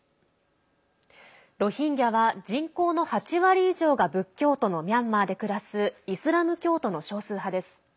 ロヒンギャは人口の８割以上が仏教徒のミャンマーで暮らすイスラム教徒の少数派です。